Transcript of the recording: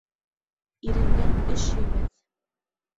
Иренгән эш һөймәҫ.